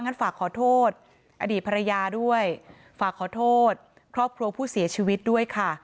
ฝากขอโทษอดีตภรรยาด้วยฝากขอโทษครอบครัวผู้เสียชีวิตด้วยค่ะ